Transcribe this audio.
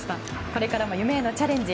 これからも夢へのチャレンジ